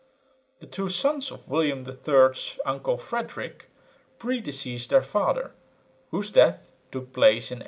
The two sons of William III's uncle Frederick predeceased their father, whose death took place in 1881.